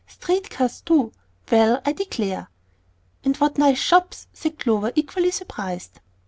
Street cars too! Well, I declare!" "And what nice shops!" said Clover, equally surprised.